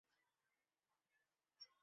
后期增加的则有助于改善横摇问题。